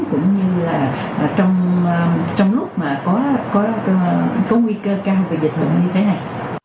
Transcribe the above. cũng như là trong nước mà có nguy cơ cao về dịch bệnh như thế này